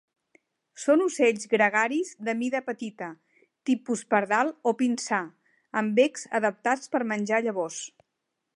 Són ocells gregaris de mida petita, tipus pardal o pinsà, amb becs adaptats per menjar llavors.